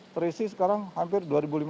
terisi sekarang hampir dua lima ratus